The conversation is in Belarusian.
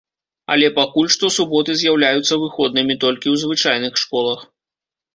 Але пакуль што суботы з'яўляюцца выходнымі толькі ў звычайных школах.